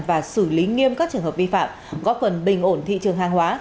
và xử lý nghiêm các trường hợp vi phạm góp phần bình ổn thị trường hàng hóa